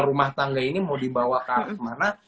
rumah tangga ini mau dibawa kemana